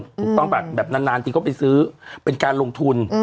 ถูกต้องป่ะแบบนานทีก็ไปซื้อเป็นการลงทุน